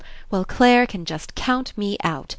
"Well, Clare can just count me out.